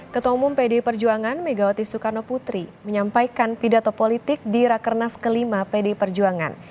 ketua umum pdi perjuangan megawati soekarno putri menyampaikan pidato politik di rakernas kelima pdi perjuangan